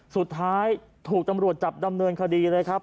สุดท้ายถูกตำรวจจับดำเนินคดีเลยครับ